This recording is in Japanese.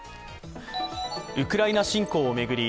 ウクライナ侵攻を巡り